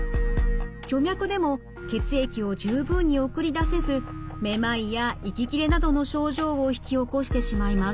徐脈でも血液を十分に送り出せずめまいや息切れなどの症状を引き起こしてしまいます。